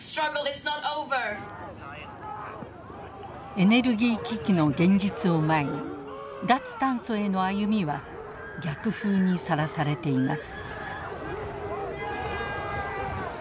エネルギー危機の現実を前に脱炭素への歩みは逆風にさらされています。